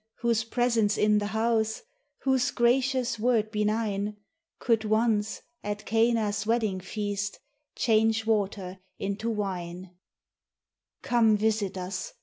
whose presence in the house, Whose gracious word benign, Could once, at Cana's wedding feast, Change water into wine; Come, visit us!